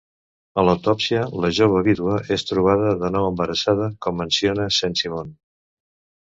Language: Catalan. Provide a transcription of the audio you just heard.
A l'autòpsia, la jove vídua és trobada de nou embarassada com menciona Saint-Simon.